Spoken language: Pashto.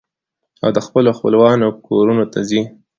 او د خپلو خپلوانو کورنو ته ځي.